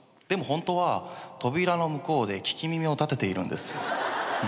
でもホントは扉の向こうで聞き耳を立てているんです。